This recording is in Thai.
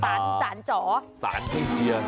สารสารจ๋อสารที่เจีย